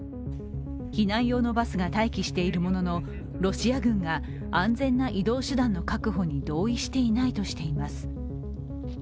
避難用のバスが待機しているものの、ロシア軍が安全な移動手段の確保に同意していないとしています。